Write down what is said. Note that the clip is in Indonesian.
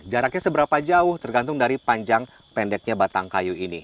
jaraknya seberapa jauh tergantung dari panjang pendeknya batang kayu ini